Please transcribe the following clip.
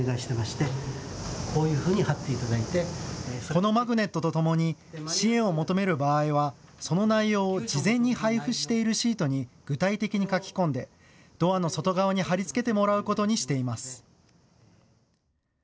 このマグネットとともに支援を求める場合はその内容を事前に配布しているシートに具体的に書き込んでドアの外側に貼り付けてもらうことにしています。